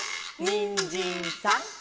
「にんじんさん」